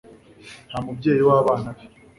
nta mubyeyi w'abana be